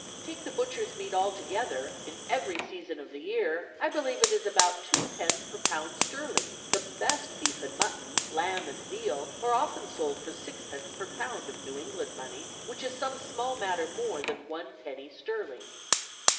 Take the butchers' meat all together, in every season of the year, I believe it is about twopence per pound sterling; the best beef and mutton, lamb and veal are often sold for sixpence per pound of New England money, which is some small matter more than one penny sterling.